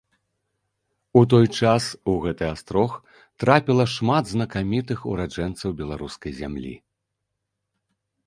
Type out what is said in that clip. У той час у гэты астрог трапіла шмат знакамітых ураджэнцаў беларускай зямлі.